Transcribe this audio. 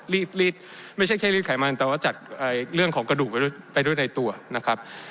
รีดไม่ใช่แค่รีดไขมันแต่ว่าจากเรื่องของกระดูกไปด้วยในตัวนะครับ